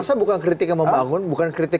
masa bukan kritik yang membangun bukan kritik